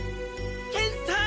ケンさん